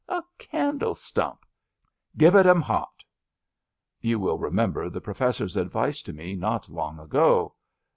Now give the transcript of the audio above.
A candle stump I Give it 'em hot. '' You will remember the Professor's advice to me not long ago.